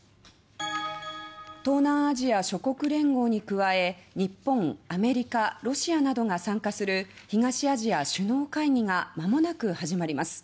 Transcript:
東南アジア諸国連合に加え日本、アメリカ、ロシアなどが参加する東アジア首脳会議がまもなく始まります。